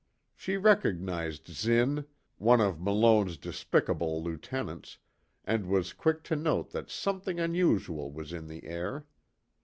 She recognized Zinn, one of Malone's despicable lieutenants, and was quick to note that something unusual was in the air.